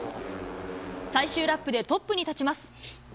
最終ラップでトップに立ちます。